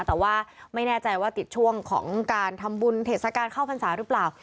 แต่ว่าไม่แน่ใจว่าติดช่วงของการทำบุญเทศกาลเข้าพรรษาหรือเปล่า